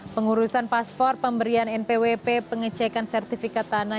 pengurusan paspor pemberian npwp pengecekan sertifikat tanah